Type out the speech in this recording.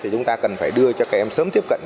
chúng ta cần phải đưa cho các em sớm tiếp cận